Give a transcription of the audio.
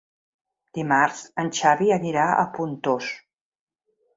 Dimarts en Xavi anirà a Pontós.